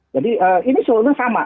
jadi ini seluruhnya sama